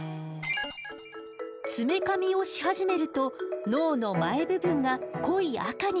爪かみをし始めると脳の前部分が濃い赤になったでしょ。